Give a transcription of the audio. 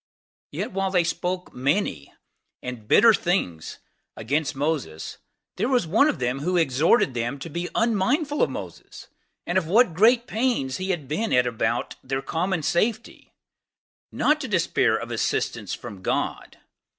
Yet while they spake many and sore things against the there was one of them who exhorted them to be unmindful of Moses, and of what great pains he had been at about their common safety; not to despair of assistance from God.